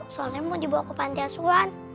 soalnya mau dibawa ke pantai asuran